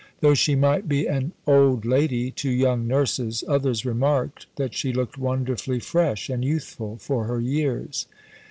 Though she might be an "old lady" to young nurses, others remarked that she looked wonderfully fresh and youthful for her years.